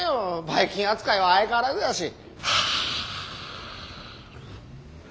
バイ菌扱いは相変わらずやし。